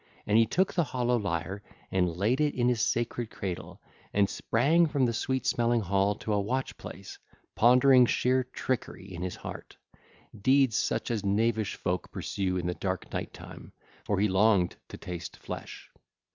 And he took the hollow lyre and laid it in his sacred cradle, and sprang from the sweet smelling hall to a watch place, pondering sheer trickery in his heart—deeds such as knavish folk pursue in the dark night time; for he longed to taste flesh.